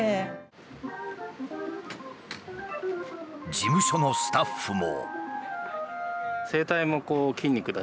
事務所のスタッフも。